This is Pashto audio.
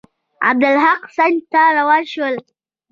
عبدالحق سند ته روان شو.